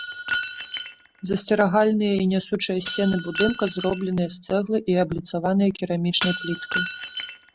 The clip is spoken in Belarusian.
Засцерагальныя і нясучыя сцены будынка зробленыя з цэглы і абліцаваны керамічнай пліткай.